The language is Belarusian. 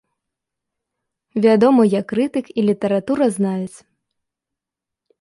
Вядомы і як крытык і літаратуразнавец.